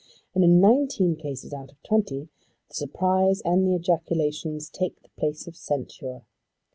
And in nineteen cases out of twenty the surprise and the ejaculations take the place of censure.